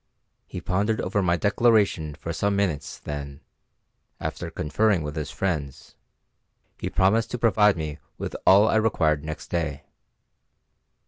He pondered over my declaration for some minutes, then, after conferring with his friends, he promised to provide me with all I required next day.